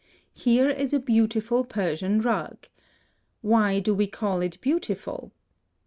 Here is a beautiful Persian rug: why do we call it beautiful?